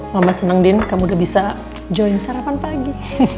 mama senang din kamu udah bisa join sarapan pagi